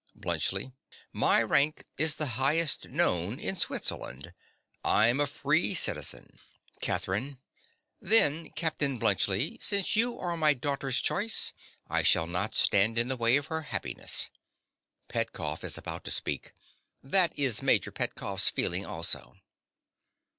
BLUNTSCHLI. My rank is the highest known in Switzerland: I'm a free citizen. CATHERINE. Then Captain Bluntschli, since you are my daughter's choice, I shall not stand in the way of her happiness. (Petkoff is about to speak.) That is Major Petkoff's feeling also.